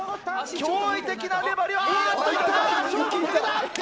驚異的な粘りを。